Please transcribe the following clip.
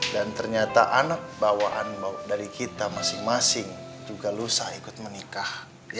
dan ternyata anak bawaan dari kita masing masing juga lusa ikut menikah